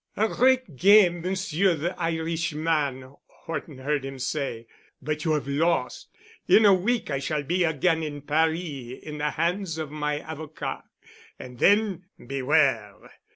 "A great game, Monsieur the Irishman," Horton heard him say, "but you have lost. In a week I shall be again in Paris in the hands of my avocat. And then—beware!"